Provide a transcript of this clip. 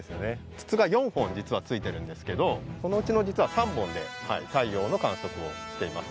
筒が４本実はついてるんですけどそのうちの実は３本で太陽の観測をしています。